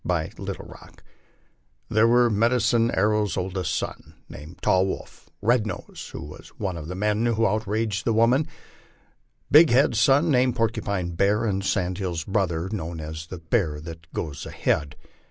107 Answer by Little Rock :" There were Medicine Arrow's oldest son, named Tall Wolf; Ked Nose, who was one of the men who outraged the woman , Big Head's son named Porcupine Bear; and Sand Hill's brother, known as the Bear that Goes Ahead."